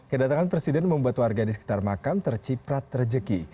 kedatangan presiden membuat warga di sekitar makam terciprat rejeki